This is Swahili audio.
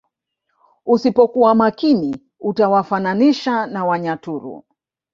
Usipokua makini utawafananisha na wanyaturu